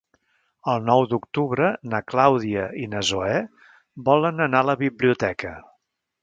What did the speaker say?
El nou d'octubre na Clàudia i na Zoè volen anar a la biblioteca.